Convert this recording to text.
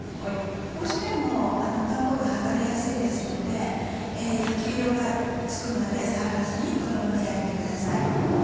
どうしてもパン粉が剥がれやすいですので焼き色が付くまで触らずにこのまま焼いてください。